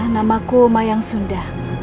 namaku mayang sunda